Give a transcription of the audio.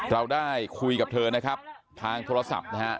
เราได้คุยกับเธอนะครับทางโทรศัพท์นะฮะ